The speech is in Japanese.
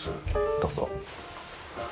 どうぞ。